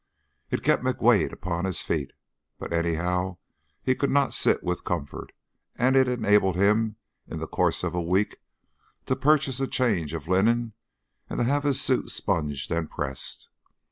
It kept McWade upon his feet, but, anyhow, he could not sit with comfort, and it enabled him, in the course of a week, to purchase a change of linen and to have his suit sponged and pressed.